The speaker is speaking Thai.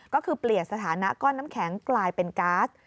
ก็คือเปลี่ยนสถานะก้อนน้ำแข็งกลายเป็นก๊าซ